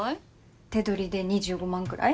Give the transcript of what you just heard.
手取りで２５万くらい。